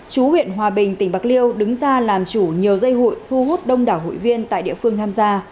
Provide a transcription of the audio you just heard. chú huyện hòa bình tỉnh bạc liêu đứng ra làm chủ nhiều dây hụi thu hút đông đảo hụi viên tại địa phương tham gia